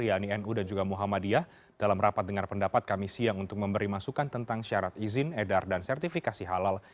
yaitu nu dan juga muhammadiyah dalam rapat dengar pendapat kami siang untuk memberi masukan tentang syarat izin edar dan sertifikasi halal